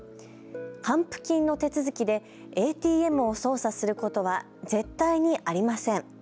還付金の手続きでＡＴＭを操作することは絶対にありません。